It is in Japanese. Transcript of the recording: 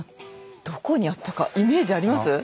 どこにあったかイメージあります？